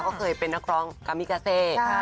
ก็เคยเป็นนักร้องกามิกาเซ